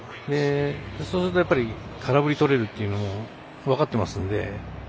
そうすると、空振りとれるっていうのも分かってますので。